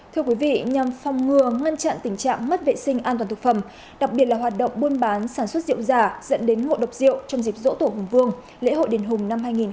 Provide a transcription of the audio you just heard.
thưa quý vị nhằm phòng ngừa ngăn chặn tình trạng mất vệ sinh an toàn thực phẩm đặc biệt là hoạt động buôn bán sản xuất rượu giả dẫn đến ngộ độc rượu trong dịp dỗ tổ hùng vương lễ hội đền hùng năm hai nghìn hai mươi bốn